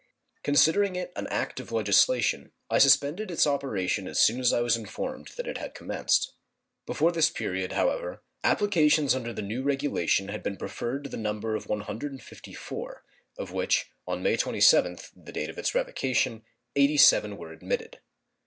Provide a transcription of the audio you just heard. Considering it an act of legislation, I suspended its operation as soon as I was informed that it had commenced. Before this period, however, applications under the new regulation had been preferred to the number of 154, of which, on March 27, the date of its revocation, 87 were admitted.